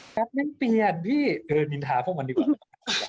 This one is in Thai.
แป๊บนึงเปลี่ยนเออนินท้าพวกมันดีกว่า